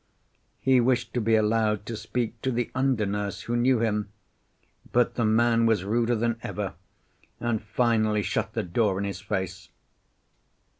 He wished to be allowed to speak to the under nurse, who knew him; but the man was ruder than ever, and finally shut the door in his face.